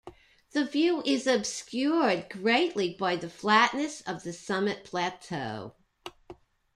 The view is obscured greatly by the flatness of the summit plateau.